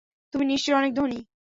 তুমি নিশ্চয়ই অনেক ধনী।